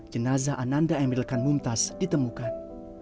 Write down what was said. jenazah ananda emdelkan mumtaz ditemukan